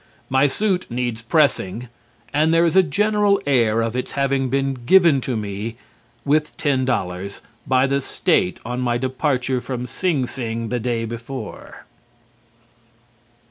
My suit needs pressing and there is a general air of its having been given to me, with ten dollars, by the State on my departure from Sing Sing the day before.